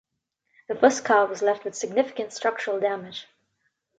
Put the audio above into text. The first car was left with significant structural damage.